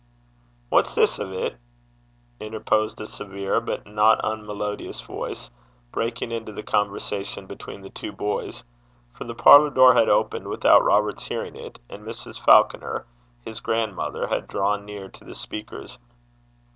'What's this o' 't?' interposed a severe but not unmelodious voice, breaking into the conversation between the two boys; for the parlour door had opened without Robert's hearing it, and Mrs. Falconer, his grandmother, had drawn near to the speakers.